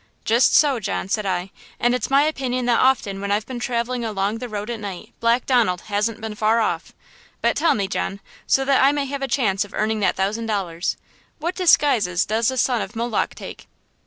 "'Just so, John,' said I' 'and it's my opinion that often when I've been traveling along the road at night Black Donald hasn't been far off! But tell me, John, so that I may have a chance of earning that thousand dollars–what disguises does this son of Moloch take?'